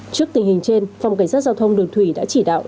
trước tình hình trên phòng cảnh sát giao thông đường thủy đã chỉ đạo